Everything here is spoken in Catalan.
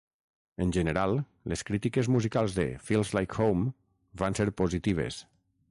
En general, les crítiques musicals de "Feels Like Home" van ser positives.